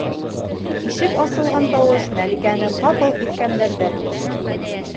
Ишек асылған тауыш Мәликәне ҡапыл һиҫкәндерҙе.